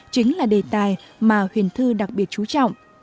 chính là đề tài mà huyền thư đặc biệt chú trọng